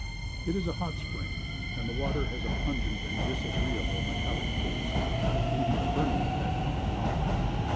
"'It is a hot spring, and the water has a pungent and disagreeable metallic taste, leaving a burning effect on the tongue.